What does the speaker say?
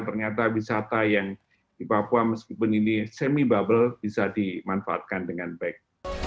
ternyata wisata yang di papua meskipun ini semi bubble bisa dimanfaatkan dengan baik